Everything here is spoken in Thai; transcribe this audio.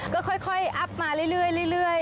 ก็ค่อยอัพมาเรื่อย